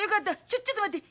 ちょっと待って。